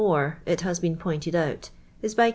it h;i9 heen pointi d out. is. by »:i!